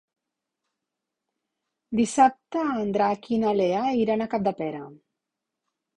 Dissabte en Drac i na Lea iran a Capdepera.